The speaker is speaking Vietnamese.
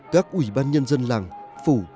các ủy ban nhân dân làng phủ